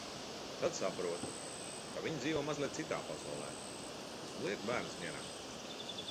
Tad saprotu, ka viņi dzīvo mazliet citā pasaulē, un lieku bērnus mierā.